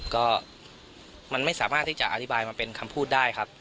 ก็มันไม่สามารถที่จะอธิบายมาเป็นคำพูดได้ครับ